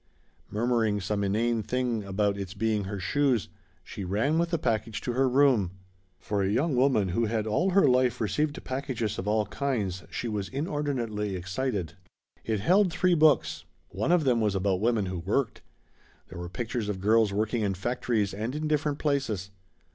Murmuring some inane thing about its being her shoes, she ran with the package to her room. For a young woman who had all her life received packages of all kinds she was inordinately excited. It held three books. One of them was about women who worked. There were pictures of girls working in factories and in different places.